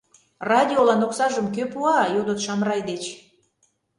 — Радиолан оксажым кӧ пуа? — йодыт Шамрай деч.